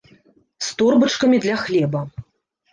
З торбачкамі для хлеба.